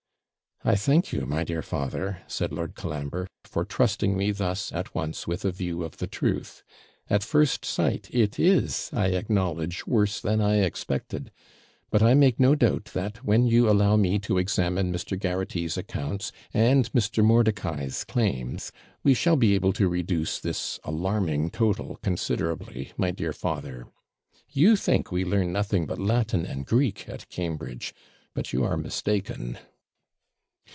'I thank you, my dear father,' said Lord Colambre, 'for trusting me thus at once with a view of the truth. At first sight it is, I acknowledge, worse than I expected; but I make no doubt that, when you allow me to examine Mr. Garraghty's accounts and Mr. Mordicai's claims, we shall be able to reduce this alarming total considerably, my dear father. You think we learn nothing but Latin and Greek at Cambridge; but you are mistaken.'